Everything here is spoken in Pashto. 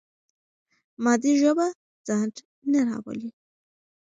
مادي ژبه ځنډ نه راولي.